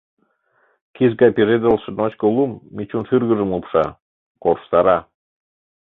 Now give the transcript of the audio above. Киш гай пижедылше ночко лум Мичун шӱргыжым лупша, корштара...